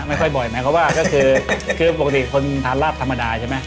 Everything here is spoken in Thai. ไม่ค่อยบ่อยนะเพราะว่าคือปกติคนทานลาดธรรมดาใช่ไหม